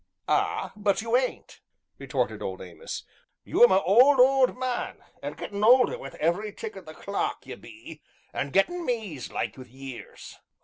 "Ah! but you ain't," retorted old Amos, "you 'm a old, old man an' gettin' older wi' every tick o' the clock, you be, an' gettin' mazed like wi' years."